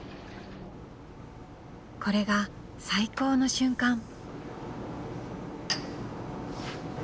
これが最高の瞬間。